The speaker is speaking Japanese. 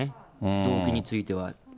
動機については。